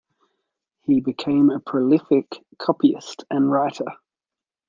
He became a prolific copyist and writer.